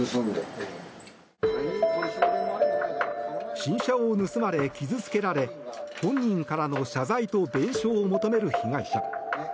新車を盗まれ傷つけられ本人からの謝罪と弁償を求める被害者。